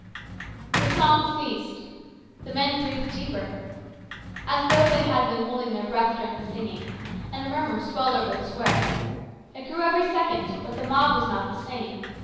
The song ceased. The men breathed deeper, as though they had been holding their breath during the singing, and a murmur swelled over the square. It grew every second, but the mob was not the same.